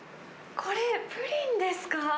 これ、プリンですか？